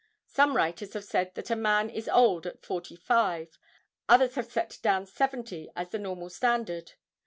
Some writers have said that a man is old at forty five, others have set down seventy as the normal standard.